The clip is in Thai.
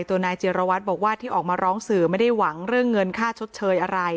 นายจิรวัตรบอกว่าที่ออกมาร้องสื่อไม่ได้หวังเรื่องเงินค่าชดเชยอะไร